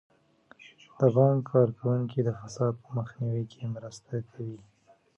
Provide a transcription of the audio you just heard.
د بانک کارکوونکي د فساد په مخنیوي کې مرسته کوي.